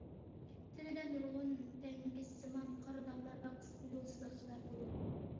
تېنىدە نۇرغۇن تەڭگىچىسىمان قارا داغلار ۋە قىسقا يول سىزىقچىلار بولىدۇ.